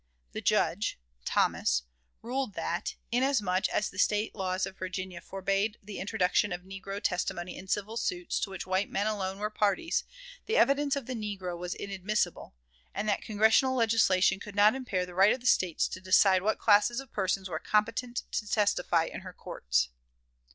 The Judge (Thomas) ruled that, inasmuch as the State laws of Virginia forbade the introduction of negro testimony in civil suits to which white men alone were parties, the evidence of the negro was inadmissible; and that Congressional legislation could not impair the right of the States to decide what classes of persons were competent to testify in her courts.